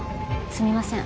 すみません